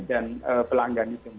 dan pelanggan itu